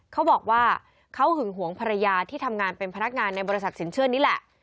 เขาบอกว่าเขาหึงหวงภรรยาที่ทำงานเป็นพนักงานในบริษัทสินเชื่อนี่แหละ